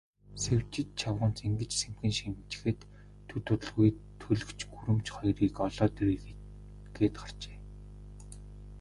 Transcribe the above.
Сэвжид чавганц ингэж сэмхэн шивнэчхээд, төд удалгүй төлгөч гүрэмч хоёрыг олоод ирье гээд гарчээ.